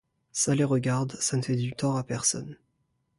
Ça les regarde, ça ne fait du tort à personne.